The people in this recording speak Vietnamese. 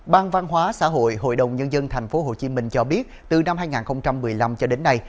ban văn hóa xã hội hội đồng nhân dân tp hcm cho biết từ năm hai nghìn một mươi năm cho đến nay